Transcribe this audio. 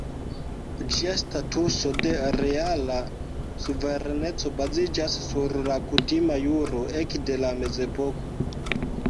Ĝia statuso de reala suvereneco baziĝas sur la kutima juro ekde la Mezepoko.